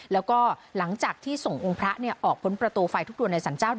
แล้วก็หลังจากที่ส่งองค์พระออกพ้นประตูไฟทุกดวนในสรรเจ้า